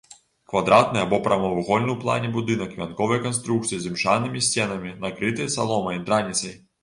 Квадратны або прамавугольны ў плане будынак вянковай канструкцыі з імшанымі сценамі, накрыты саломай, драніцай.